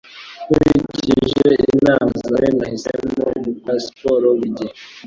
Nkurikije inama zawe, Nahisemo gukora siporo buri gihe